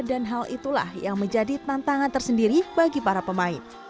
dan hal itulah yang menjadi tantangan tersendiri bagi para pemain